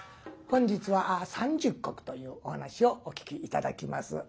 本日は「三十石」というお噺をお聴き頂きます。